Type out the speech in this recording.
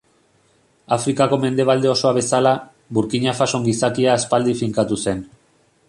Afrikako mendebalde osoa bezala, Burkina Fason gizakia aspaldi finkatu zen.